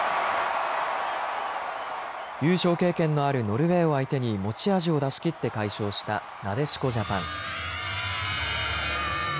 優勝経験のあるノルウェーを相手に持ち味を出しきって快勝したなでしこジャパン。